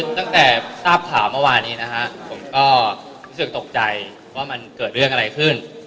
อเจมส์ตอบข่าวเมื่อวานนี้นะครับผมก็รู้สึกตกใจว่ามันเกิดเรื่องอะไรขึ้น